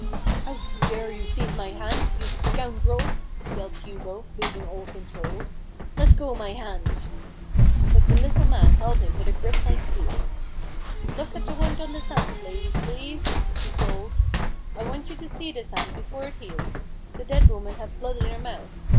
How dare you seize my hand ! you scoundrel !" yelled Hugo, losing all control. " Let go my hand." But the little man held him with a grip like steel. " Look at the wound on this hand, ladies, please !" he called ;" I want you to see this hand before it heals. The dead woman had blood in her mouth.